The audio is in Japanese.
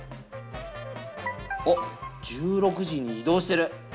あっ１６時に移動してる。